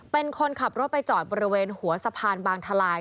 เป็นคนขับรถไปจอดบริเวณหัวสะพานบางทลาย